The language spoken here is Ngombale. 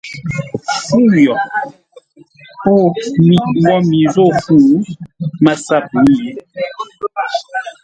Fu yo! O wo mi zô fu, MASAP mî yé.